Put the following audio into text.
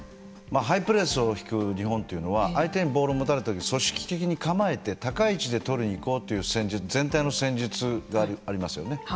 ハイプレスを引く日本というのは相手にボールを持たれた時に組織的に構えて高い位置で取りに行こうという全体の戦術がありますよね。